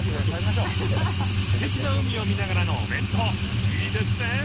［すてきな海を見ながらのお弁当いいですねぇ］